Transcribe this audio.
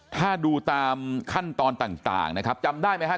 ถ้าดูตามขั้นตอนต่างจำได้ไหมคะ